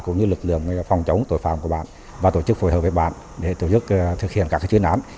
cũng như lực lượng phòng chống tội phạm của bạn và tổ chức phù hợp với bạn để thực hiện các chuyến án